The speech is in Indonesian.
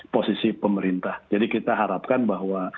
posisi pemerintah jadi kita harapkan bahwa